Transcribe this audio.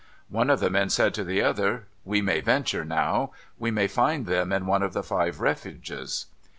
One of the men said to the other :' We may venture now. We may find them in one of the five Refuges.'